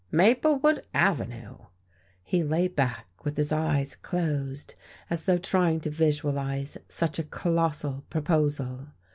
"Maplewood Avenue!" He lay back with his eyes closed, as though trying to visualize such a colossal proposal....